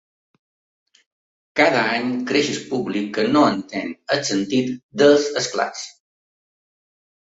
Cada any creix el públic que no entén el sentit dels esclats.